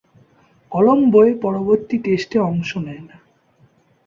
কলম্বোয় পরবর্তী টেস্টে অংশ নেন।